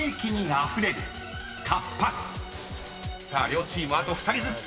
［両チームあと２人ずつ］